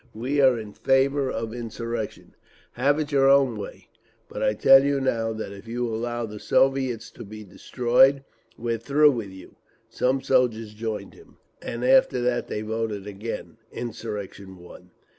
"We are in favour of insurrection. Have it your own way, but I tell you now that if you allow the Soviets to be destroyed, we're through with you!" Some soldiers joined him…. And after that they voted again—insurrection won….